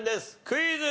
クイズ。